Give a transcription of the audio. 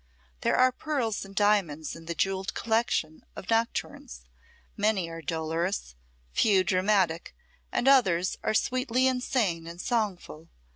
There are pearls and diamonds in the jewelled collection of nocturnes, many are dolorous, few dramatic, and others are sweetly insane and songful.